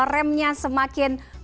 remnya semakin pakem